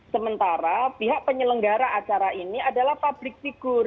sementara pihak penyelenggara acara ini adalah pabrik figur